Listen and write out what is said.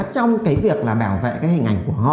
trong cái việc là bảo vệ cái hình ảnh của họ